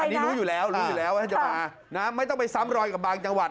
อันนี้รู้อยู่แล้วรู้อยู่แล้วว่าจะมานะไม่ต้องไปซ้ำรอยกับบางจังหวัด